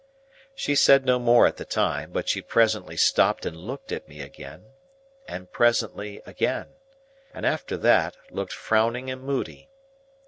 She said no more at the time; but she presently stopped and looked at me again; and presently again; and after that, looked frowning and moody.